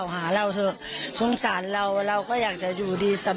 บอกก่อนนะตรงนี้ด้วยนะไม่จะให้ลูกมาด่า